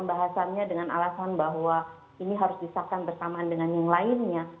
pembahasannya dengan alasan bahwa ini harus disahkan bersamaan dengan yang lainnya